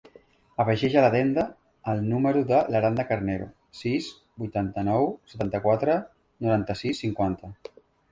Afegeix a l'agenda el número de l'Andra Carnerero: sis, vuitanta-nou, setanta-quatre, noranta-sis, cinquanta.